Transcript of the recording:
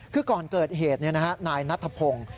คือก่อนเกิดเหตุนายนัทพงศ์